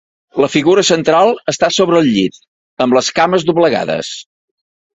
La figura central està sobre el llit, amb les cames doblegades.